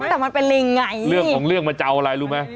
แต่มันเป็นลิงไงเรื่องของเรื่องมันจะเอาอะไรรู้ไหม